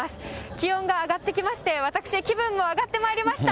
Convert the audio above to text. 気温が上がってきまして、私、気分も上がってまいりました。